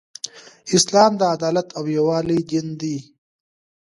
اسلام د عدالت او یووالی دین دی .